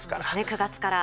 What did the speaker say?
９月から。